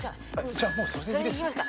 じゃあもうそれでいいですよ。